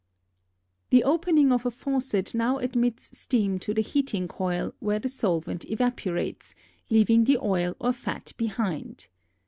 The opening of a faucet now admits steam to the heating coil, when the solvent evaporates, leaving the oil or fat behind.